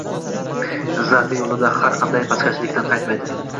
Izzati yo’lida har qanday pastkashlikdan qaytmaydi.